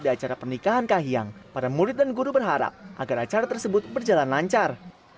di acara pernikahan kahiyang para murid dan guru berharap agar acara tersebut berjalan lancar